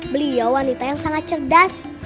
beliau wanita yang sangat cerdas